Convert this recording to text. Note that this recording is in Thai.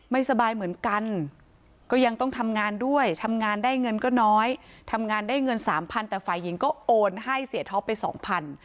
ไม่สบายเหมือนกันก็ยังต้องทำงานด้วยทำงานได้เงินก็น้อยทำงานได้เงินสามพันแต่ฝ่ายหญิงก็โอนให้เสียท็อปไปสองพัน